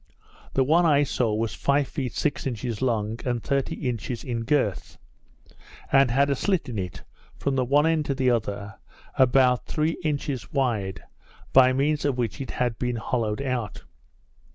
The one I saw was five feet six inches long, and thirty inches in girt, and had a slit in it, from the one end to the other, about three inches wide, by means of which it had been hollowed out.